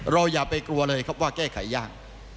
อย่าไปกลัวเลยครับว่าแก้ไขยาก